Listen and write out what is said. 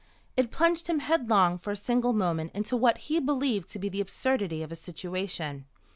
It plunged him headlong for a single moment into what he believed to be the absurdity of a situation.